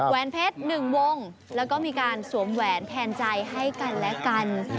แวนเพชร๑วงแล้วก็มีการสวมแหวนแทนใจให้กันและกัน